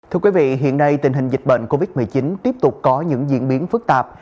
thưa quý vị hiện nay tình hình dịch bệnh covid một mươi chín tiếp tục có những diễn biến phức tạp